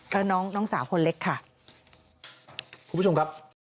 คุณผู้ชมครับ